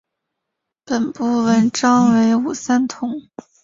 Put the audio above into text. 本部纹章为五三桐。